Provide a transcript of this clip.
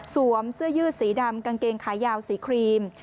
เสื้อยืดสีดำกางเกงขายาวสีครีม